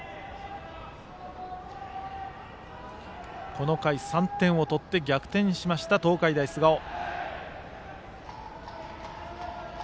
この回３点を取って逆転しました東海大菅生。